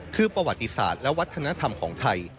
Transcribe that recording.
คือประวัติศาสตร์และวัฒนธรรมของไทย